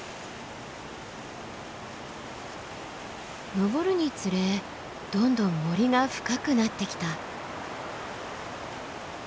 登るにつれどんどん森が深くなってきた。